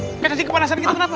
kayak cacik kepanasan gitu kenapa